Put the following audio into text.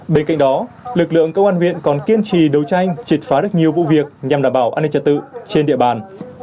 bên cạnh đó lực lượng công an huyện còn kiên trì đấu tranh triệt phá được nhiều vụ việc nhằm đảm bảo an ninh trật tự trên địa bàn